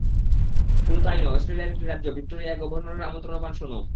শুধু তা-ই নয়, অস্ট্রেলিয়ার একটি রাজ্য ভিক্টোরিয়ার গভর্নরের আমন্ত্রণও পান সোনম।